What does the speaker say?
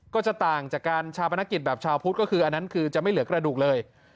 ก็จะต่างจากการชาปนกิจแบบชาวพุทธก็คืออันนั้นคือจะไม่เหลือกระดูกเลย